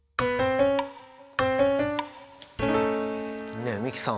ねえ美樹さん。